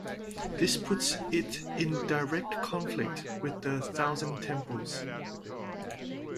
This puts it in direct conflict with the Thousand Temples.